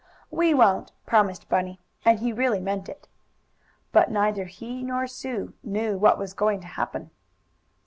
"We won't," promised Bunny, and he really meant it. But neither he nor Sue knew what was going to happen.